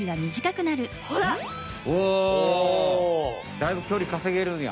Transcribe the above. だいぶ距離かせげるんや。